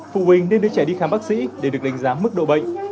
quỳnh nên đưa trẻ đi khám bác sĩ để được đánh giá mức độ bệnh